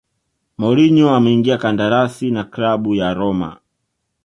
mourinho ameingia kandarasi na klabu ya roma